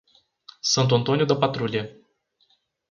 Santo Antônio da Patrulha